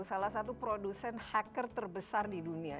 salah satu produsen hacker terbesar di dunia